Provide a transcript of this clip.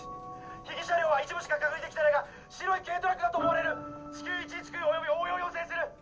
被疑車両は一部しか確認できてないが白い軽トラックだと思われる至急１１９および応援を要請する！